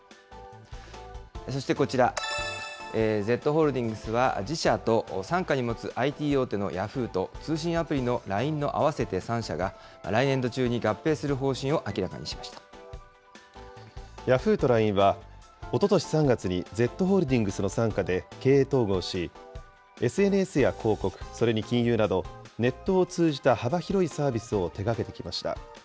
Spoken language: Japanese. そしてこちら、Ｚホールディングスは自社と傘下に持つＩＴ大手のヤフーと、通信アプリのＬＩＮＥの合わせて３社が、来年度中に合併する方針を明ヤフーとＬＩＮＥは、おととし３月にＺホールディングスの傘下で経営統合し、ＳＮＳや広告、それに金融など、ネットを通じた幅広いサービスを手がけてきました。